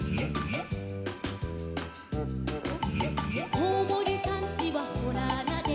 「こうもりさんちはほらあなで」